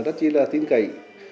rất chí là tin cậy